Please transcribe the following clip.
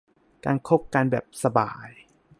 การคบกันแบบสบาย